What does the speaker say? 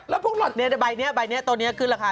นี่ว่าใบนี้ตัวนี้ขึ้นราคา